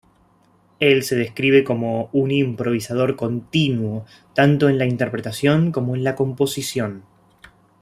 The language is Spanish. Él se describe como "un improvisador continuo...tanto en la interpretación como en la composición.